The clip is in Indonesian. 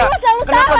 ah terus selalu salah